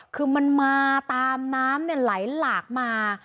คือมันมาตามน้ำไหลหลากมา